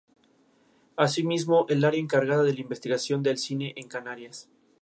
Luisa decide continuar el viaje no sin antes dejar claro que ella manda ahora.